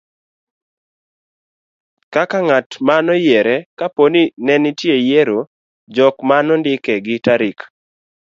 kaka ngat manoyiero ka po ni nenitie yiero, jok manondike gi tarik